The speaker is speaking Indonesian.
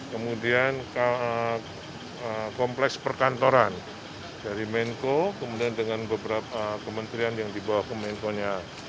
kemudian kompleks perkantoran dari menko kemudian dengan beberapa kementerian yang dibawa ke menko nya